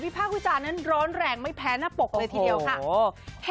ภาควิจารณ์นั้นร้อนแรงไม่แพ้หน้าปกเลยทีเดียวค่ะ